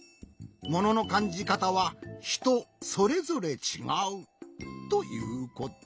もののかんじかたはひとそれぞれちがう。ということ。